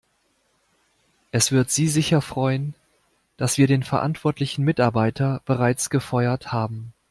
Es wird Sie sicher freuen, dass wir den verantwortlichen Mitarbeiter bereits gefeuert haben.